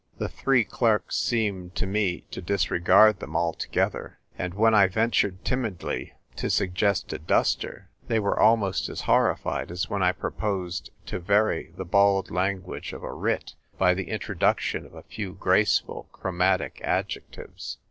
The three clerks seemed to me to disregard them altogether ; and when I ventured timidly to suggest a duster, they were almost as horrified as when I proposed to vary the bald language of a writ by the introduction of a few graceful chroma tic adjectives.